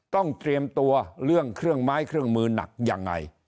ต้องเตรียมตัวเรื่องเครื่องไม้เครื่องมือหนักยังไง